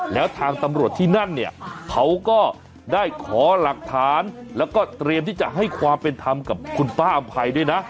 แล้วก็เตรียมที่จะให้ความเป็นธรรมกับคุณป้าอำไพยด้วยนะ